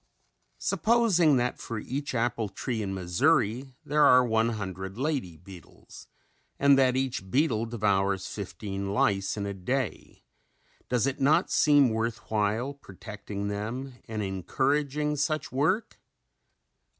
Supposing that for each apple tree in Missouri there are one hundred lady beetles and that each beetle devours fifteen lice in a day, does it not seem worth while protecting them and encouraging such work?